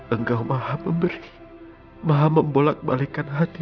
engkau maaf memberi